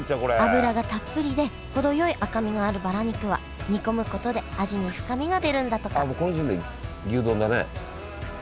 脂がたっぷりで程よい赤身があるバラ肉は煮込むことで味に深みが出るんだとかもうこの時点で牛丼だね。